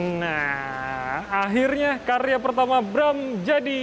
nah akhirnya karya pertama bram jadi